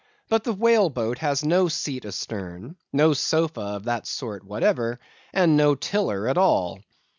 But the whale boat has no seat astern, no sofa of that sort whatever, and no tiller at all.